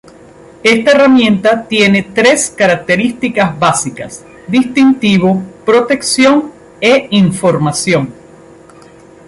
Esta herramienta tiene tres características básicas: distintivo, protección e información.